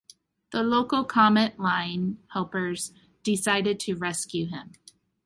The local Comet Line helpers decided to rescue him.